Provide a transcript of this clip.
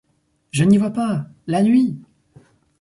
Je n’y vois pas !— La nuit !